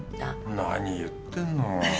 何言ってんの。